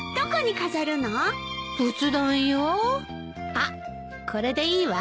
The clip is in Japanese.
あっこれでいいわ。